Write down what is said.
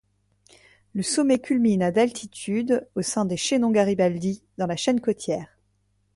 Le sommet culmine à d'altitude, au sein des chaînons Garibaldi, dans la chaîne Côtière.